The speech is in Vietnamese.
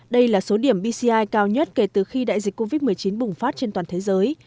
đây là số điểm bci cao nhất kể từ khi đại dịch covid một mươi chín bùng phát trên toàn thế giới